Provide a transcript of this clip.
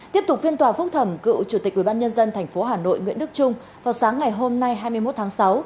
tiếp tục phiên tòa phúc thẩm cựu chủ tịch ubnd tp hà nội nguyễn đức trung vào sáng ngày hôm nay hai mươi một tháng sáu